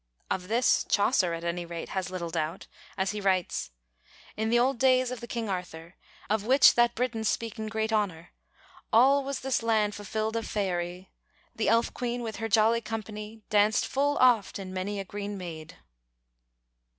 Of this Chaucer, at any rate, had little doubt, as he writes: In th' olde dayes of the King Arthour, Of which that Britons speken greet honour, Al was this land fulfild of fayerye; The elf queen, with hir joly companye, Daunced ful ofte in many a grene med.